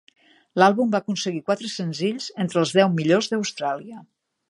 L'àlbum va aconseguir quatre senzills entre els deu millors d'Austràlia.